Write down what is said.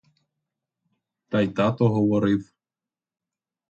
Та й тато говорив.